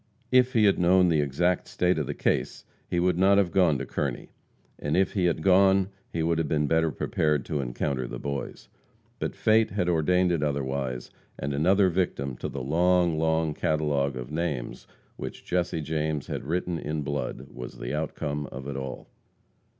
If he had known the exact state of the case he would not have gone to Kearney, and if he had gone he would have been better prepared to encounter the Boys. But fate had ordained it otherwise, and another victim to the long, long catalogue of names which Jesse James had written in blood was the outcome of it all.